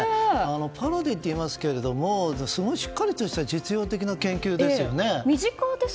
パロディーといいますけれどもすごいしっかりとした実用的な実験ですよね。